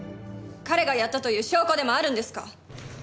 彼がやったという証拠でもあるんですか？